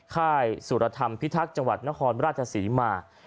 ค่ายสุรธรรมพิทักษ์จังหวัดนครราชศรีมา